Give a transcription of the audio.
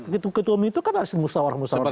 ketua ketua itu kan harus musyawara musyawara daerah